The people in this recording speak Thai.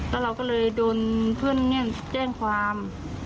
แล้วเราก็เลยโดนเพื่อนแจ้งความ